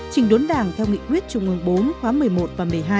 trình đốn đảng theo nghị quyết chung ứng bốn khóa một mươi một và một mươi hai